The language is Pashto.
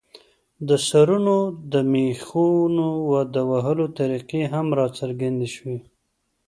د سرونو د مېخونو د وهلو طریقې هم راڅرګندې شوې.